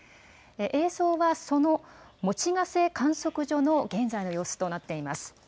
映像は、その用瀬観測所の現在の様子となっています。